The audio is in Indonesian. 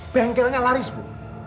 bengkelnya laris bu